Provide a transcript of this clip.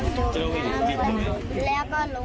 แม่จ๊าฟตอนนี้ยังไม่ตาย